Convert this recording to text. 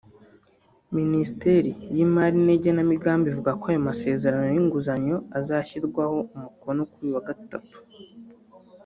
Minisiteri y’Imari n’Igenamigambi ivuga ko aya masezerano y’inguzanyo azashyirwaho umukono kuri uyu wa Gatatu